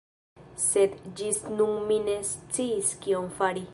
Sed ĝis nun mi ne sciis kion fari